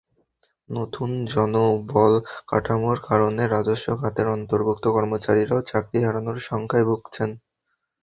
নতুন জনবলকাঠামোর কারণে রাজস্ব খাতের অন্তর্ভুক্ত কর্মচারীরাও চাকরি হারানোর শঙ্কায় ভুগছেন।